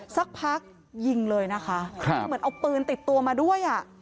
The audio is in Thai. สักพักยิงเลยนะคะคือเหมือนเอาปืนติดตัวมาด้วยอ่ะ